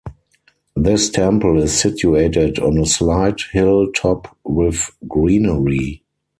This temple is situated on a slight hill top with greenery.